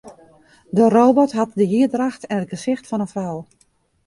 De robot hat de hierdracht en it gesicht fan in frou.